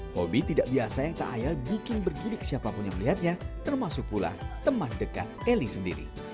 hobi tidak biasa yang tak ayal bikin bergidik siapapun yang melihatnya termasuk pula teman dekat eli sendiri